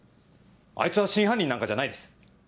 あいつは真犯人なんかじゃないです。